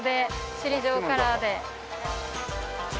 首里城カラーで。